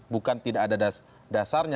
bukan tidak ada dasar